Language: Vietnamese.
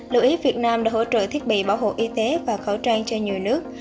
lưu ý việt nam đã hỗ trợ thiết bị bảo hộ y tế và khẩu trang cho nhiều nước